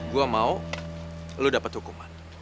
gue mau lo dapat hukuman